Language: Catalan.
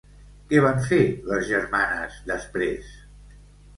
Què van fer les germanes després?